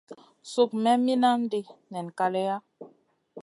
Suk me minandi nen kaleya.